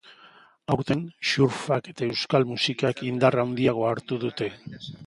Aurten surfak eta euskal musikak indar handiagoa hartu dute.